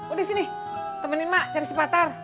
udah sini temenin mak cari sepatar